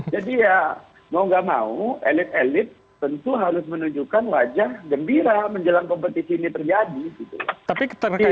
ya mau nggak mau elit elit tentu harus menunjukkan wajah gembira menjelang kompetisi ini terjadi gitu